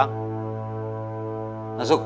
sang sisi menuju sumatera